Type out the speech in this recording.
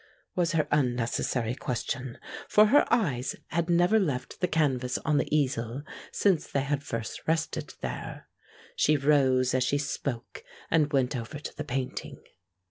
was her unnecessary question, for her eyes had never left the canvas on the easel since they had first rested there. She rose as she spoke, and went over to the painting.